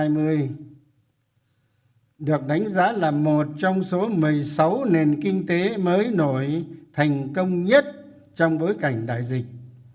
một trong số một mươi sáu nền kinh tế mới nổi thành công nhất trong bối cảnh đại dịch